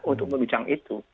untuk menunjang itu